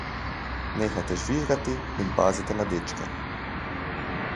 Nehajte žvižgati in pazite na dečke.